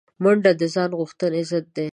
منډه د ځان غوښتنې ضد ده